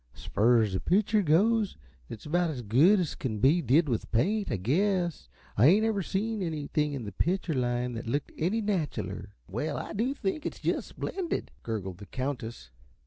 S' fur 's the pitcher goes, it's about as good 's kin be did with paint, I guess. I ain't ever seen anything in the pitcher line that looked any natcherler." "Well, I do think it's just splendid!" gurgled the Countess.